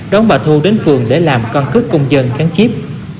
đón bà thu đến phường để làm con cức công dân gắn chiếp